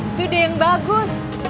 itu deh yang bagus